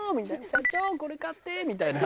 「社長これ買って」みたいな。